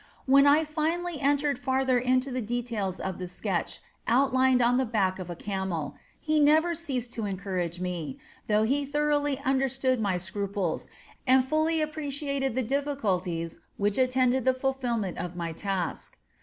When I finally entered farther into the details of the sketch outlined on the back of a camel, he never ceased to encourage me, though he thoroughly understood my scruples and fully appreciated the difficulties which attended the fulfilment of my task.